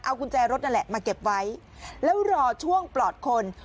เอากุญแจรถนั่นแหละมาเก็บไว้แล้วรอช่วงปลอดคน